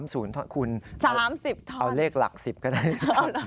๓ศูนย์ท่อนคุณเอาเลขหลัก๑๐ก็ได้๓๐ท่อน